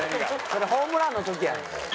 それホームランの時や。